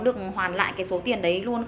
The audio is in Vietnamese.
điện thoại gọi điện tử vào ít